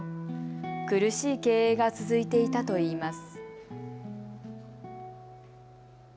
苦しい経営が続いていたといいます。